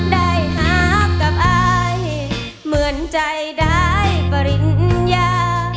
ได้หากับอายเหมือนใจได้ปริญญา